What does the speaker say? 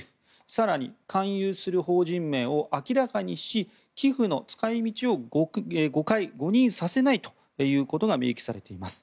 更に勧誘する法人名を明らかにし寄付の使い道を誤認させないということが明記されています。